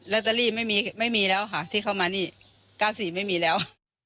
ตเตอรี่ไม่มีไม่มีแล้วค่ะที่เข้ามานี่๙๔ไม่มีแล้ว